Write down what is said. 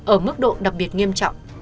ở mức độ đặc biệt nghiêm trọng